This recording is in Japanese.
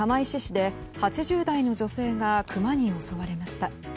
岩手県釜石市で８０代の女性がクマに襲われました。